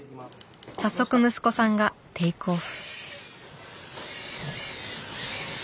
早速息子さんがテイクオフ。